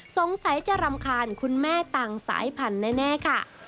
สงสัยจะรำคาญคุณแม่ต่างสายพันธุ์แน่ค่ะ